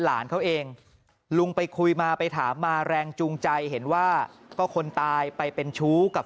หลานเขาเองลุงไปคุยมาไปถามมาแรงจูงใจเห็นว่าก็คนตายไปเป็นชู้กับ